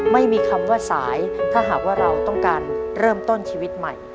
ไม่มีคำว่าสายถ้าหากว่าเราต้องการเริ่มต้นชีวิตใหม่